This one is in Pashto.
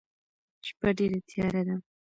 شپه ډيره تیاره ده.